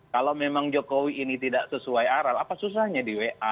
kalau memang jokowi ini tidak sesuai aral apa susahnya di wa